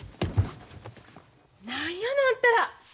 何やのあんたら！